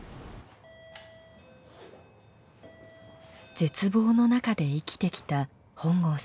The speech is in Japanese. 絶望の中で生きてきた本郷さん。